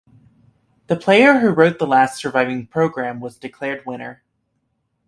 The player who wrote the last surviving program was declared winner.